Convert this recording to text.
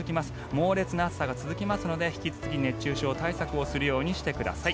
猛烈な暑さが続きますので引き続き熱中症対策をするようにしてください。